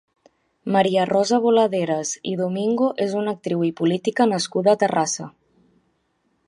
Maria Rosa Boladeras i Domingo és una actriu i política nascuda a Terrassa.